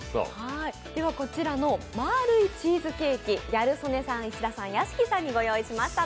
こちらのまぁるいチーズケーキ、ギャル曽根さん、石田さん、屋敷さんにご用意しました。